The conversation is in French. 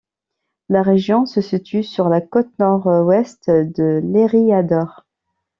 La région se situe sur la côte nord-ouest de l'Eriador.